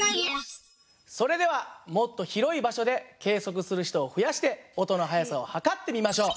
それではもっと広い場所で計測する人を増やして音の速さを測ってみましょう。